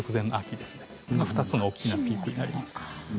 ２つの大きなピークになります。